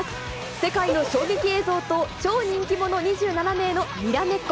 世界の衝撃映像と、超人気者２７名のにらめっこ。